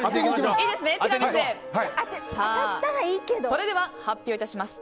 それでは発表します。